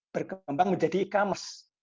berkembang menjadi e commerce